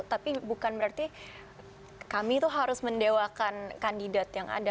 tapi bukan berarti kami itu harus mendewakan kandidat yang ada